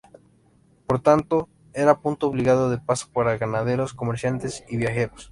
Por tanto, era punto obligado de paso para ganaderos, comerciantes y viajeros.